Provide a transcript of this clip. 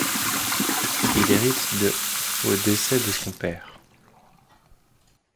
Il hérite de au décès de son père.